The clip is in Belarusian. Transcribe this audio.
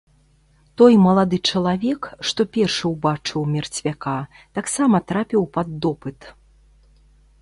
Той малады чалавек, што першы ўбачыў мерцвяка, таксама трапіў пад допыт.